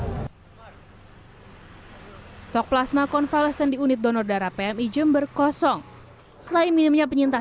hai stack plasma convalescent di unit donor darah pm ijem berkosong selain minimnya penyintas